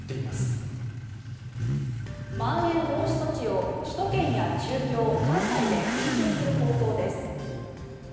まん延防止措置を首都圏や中京、関西で延長する方向です。